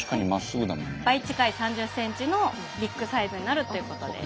倍近い３０センチのビッグサイズになるということです。